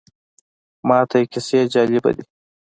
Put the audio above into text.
ماته یې کیسې جالبه دي.